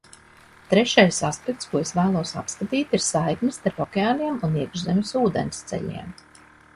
Trešais aspekts, ko es vēlos apskatīt, ir saikne starp okeāniem un iekšzemes ūdensceļiem.